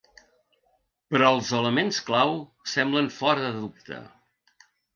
Però els elements clau semblen fora de dubte.